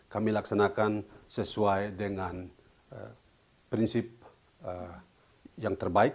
kami laksanakan sesuai dengan prinsip yang terbaik